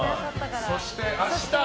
そして、明日。